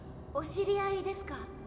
お知り合いですか？